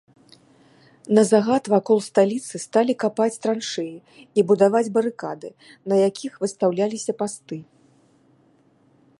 На загад вакол сталіцы сталі капаць траншэі і будаваць барыкады, на якіх выстаўляліся пасты.